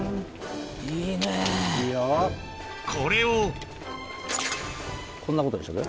これをこんなことにしとく？